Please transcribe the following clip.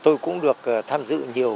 tôi cũng được tham dự nhiều